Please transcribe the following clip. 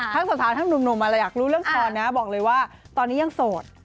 สาวทั้งหนุ่มอะไรอยากรู้เรื่องพรนะบอกเลยว่าตอนนี้ยังโสด